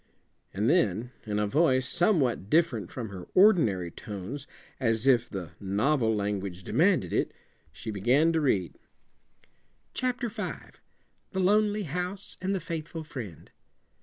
And then, in a voice somewhat different from her ordinary tones, as if the "novel language" demanded it, she began to read: "'Chapter Five. The Lonely House and the Faithful Friend.